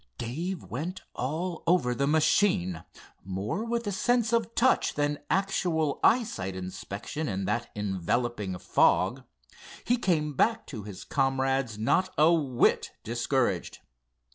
Dave went all over the machine, more with the sense of touch than actual eyesight inspection in that enveloping fog. He came back to his comrades not a whit discouraged.